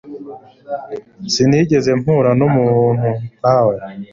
Sinigeze mpura numuntu nka we.